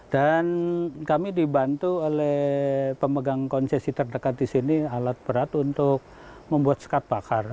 dan kami dibantu oleh pemegang konsesi terdekat di sini alat berat untuk membuat sekat bakar